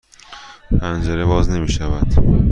پنجره باز نمی شود.